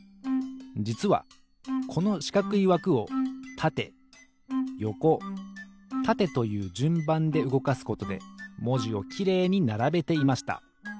じつはこのしかくいわくをたてよこたてというじゅんばんでうごかすことでもじをきれいにならべていました。